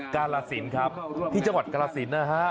กาลสินครับที่จังหวัดกรสินนะฮะ